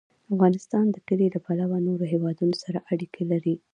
افغانستان د کلي له پلوه له نورو هېوادونو سره اړیکې لري.